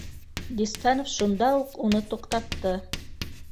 Дистанов шунда уҡ уны туҡтатты: